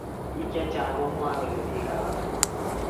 Bik chechang komwoe kole bikap afrika